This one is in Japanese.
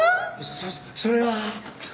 そそれは。